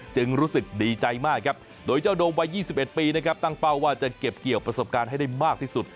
รู้สึกดีใจมากครับโดยเจ้าโดมวัย๒๑ปีนะครับตั้งเป้าว่าจะเก็บเกี่ยวประสบการณ์ให้ได้มากที่สุด